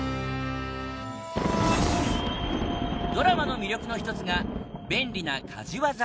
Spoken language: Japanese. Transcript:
ドラマの魅力の一つが便利な家事ワザ